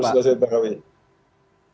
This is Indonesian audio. baru selesai terawih